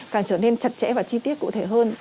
càng trở nên chặt chẽ và chi tiết cụ thể hơn